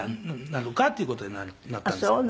「なるか？」っていう事でなったんですけど。